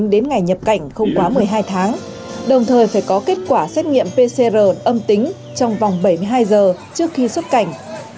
đến ngày nhập cảnh không quá một mươi hai tháng đồng thời phải có kết quả xét nghiệm pcr âm tính trong vòng bảy mươi hai giờ trước khi xuất cảnh